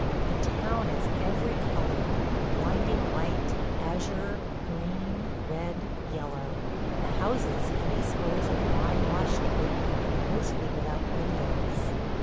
The town is every color – blinding white, azure, green, red, yellow; the houses heavy squares of lime washed brick, mostly without windows.